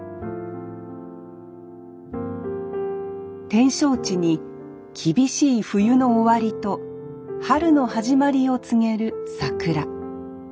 展勝地に厳しい冬の終わりと春の始まりを告げる桜。